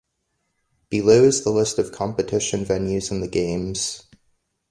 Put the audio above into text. Below is the list of competition venues in the Games.